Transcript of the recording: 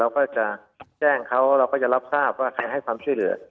ก็จะแจ้งเขาเราก็จะรับทราบว่าใครให้ความช่วยเหลือ